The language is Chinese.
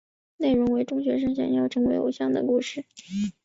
内容为中学女生想要成为偶像的故事。